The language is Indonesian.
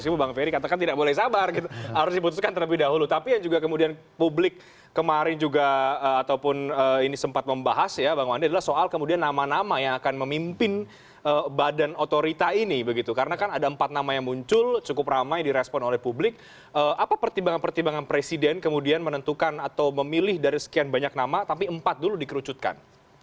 pertimbangan presiden kemudian menentukan atau memilih dari sekian banyak nama tapi empat dulu dikerucutkan